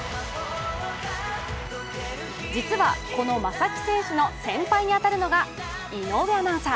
実はこの正木選手の先輩に当たるのが井上アナウンサー。